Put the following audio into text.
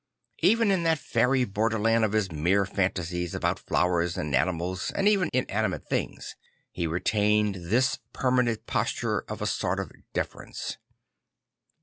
Even in that fairy borderland of his mere fancies a bout flowers and animals and even inanima te things, he retained this permanent posture of a sort of deference.